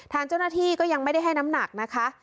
ทางเจ้าหน้าที่ก็ยังไม่ได้ให้น้ำหนักนะคะ